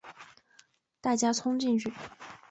大家冲进去